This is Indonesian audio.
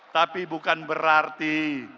tapi bukan berarti